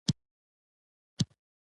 په اصفهان کې يې د قيمتۍ خبرې کولې.